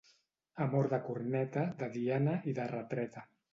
Amor de corneta, de diana i de retreta.